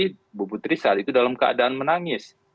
tapi bu putri saat itu dalam keadaan menangis